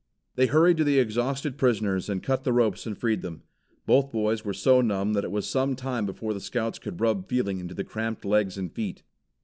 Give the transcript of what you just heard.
They hurried to the exhausted prisoners and cut the ropes and freed them. Both boys were so numb that it was some time before the Scouts could rub feeling into the cramped legs and feet.